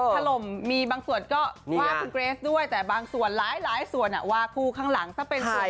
ถล่มมีบางส่วนก็ว่าคุณเกรสด้วยแต่บางส่วนหลายส่วนว่าคู่ข้างหลังถ้าเป็นสวย